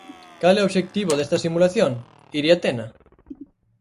Cal é o obxectivo desta simulación, Iria Tena?